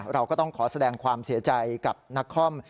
เราก็ต้องขอแสดงความเสียใจกับนักคอม